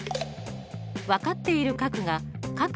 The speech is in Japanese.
分かっている角が角Ａ